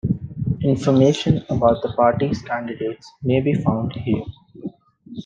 Information about the party's candidates may be found here.